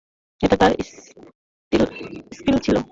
এটা তার পিস্তল ছিল!